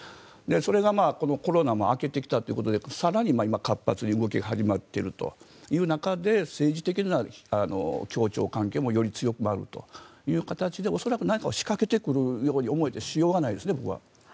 それがコロナも明けてきたということで更に今、活発に動き始めているという中で政治的な協調関係もより強くなるという形で恐らく何かを仕掛けてくるように思えてしょうがないですね、僕は。